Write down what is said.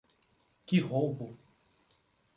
Que roubo!